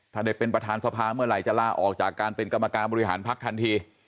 ถ้าได้เป็นประธานสภาเมื่อไหร่จะลาออกจากการเป็นกรรมการบริหารพักทันที